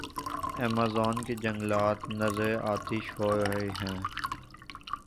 Amazon کے جنگلات نذرِ آتش ہو رہے ہیں۔